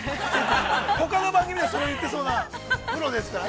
ほかの番組でもそう言ってそうな、プロですから。